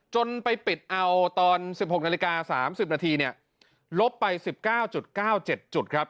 จนไปปิดเอาตอน๑๖นาฬิกา๓๐นาทีเนี่ยลบไป๑๙๙๗จุดครับ